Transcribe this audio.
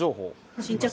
「新着」？